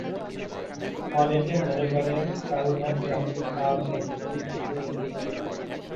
অনেকে মনে করেন পালঘাট নামটি 'পাল' শব্দটি থেকে এসেছে।